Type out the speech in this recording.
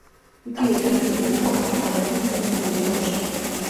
იგივე პრინციპი იყო გამოყენებული ძველ ეგვიპტურში.